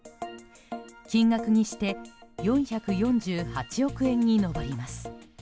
金額にして４４８億円に上ります。